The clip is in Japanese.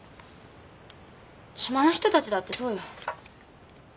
島の人たちだってそうよ。